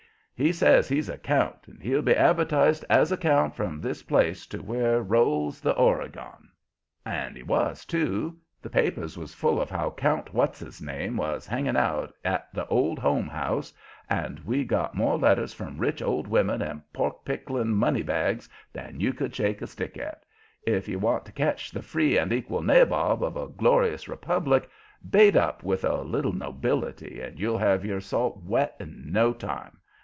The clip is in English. He says he's a count and he'll be advertised as a count from this place to where rolls the Oregon." And he was, too. The papers was full of how Count What's his Name was hanging out at the "Old Home House," and we got more letters from rich old women and pork pickling money bags than you could shake a stick at. If you want to catch the free and equal nabob of a glorious republic, bait up with a little nobility and you'll have your salt wet in no time.